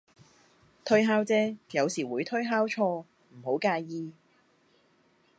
推敲啫，有時會推敲錯，唔好介意